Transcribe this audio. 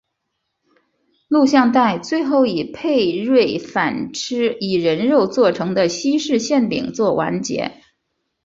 录像带最后以佩芮反吃以人肉做成的西式馅饼作完结。